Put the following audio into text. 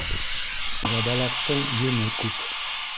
Ябалаҡтың йөнө күп.